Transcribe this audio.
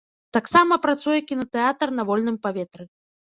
Таксама працуе кінатэатр на вольным паветры.